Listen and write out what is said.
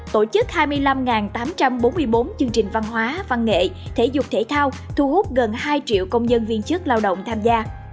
tổ chức hai mươi năm tám trăm bốn mươi bốn chương trình văn hóa văn nghệ thể dục thể thao thu hút gần hai triệu công nhân viên chức lao động tham gia